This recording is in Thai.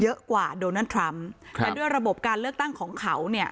เยอะกว่าโดนัลดทรัมป์แต่ด้วยระบบการเลือกตั้งของเขาเนี่ย